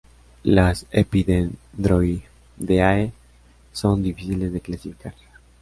Las Epidendroideae son difíciles de clasificar.